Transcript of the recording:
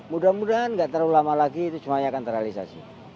mudah mudahan gak terlalu lama lagi itu semuanya akan terrealisasi